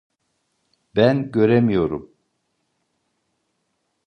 Ben göremiyorum.